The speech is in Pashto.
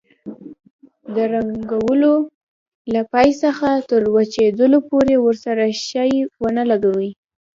د رنګولو له پای څخه تر وچېدلو پورې ورسره شی ونه لګوئ.